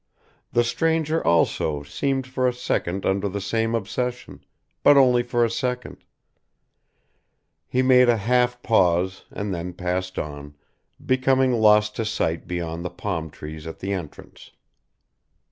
The stranger, also, seemed for a second under the same obsession, but only for a second; he made a half pause and then passed on, becoming lost to sight beyond the palm trees at the entrance.